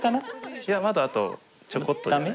いやまだあとちょこっとじゃない？